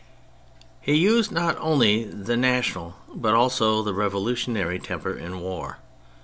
He used not only the national but also the revolutionary temper in war.